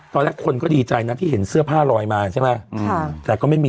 ตอนแรกคนก็ดีใจนะที่เห็นเสื้อผ้าลอยมาใช่ไหมแต่ก็ไม่มี